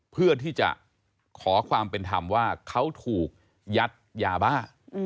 เพื่อที่จะขอความเป็นธรรมว่าเขาถูกยัดยาบ้า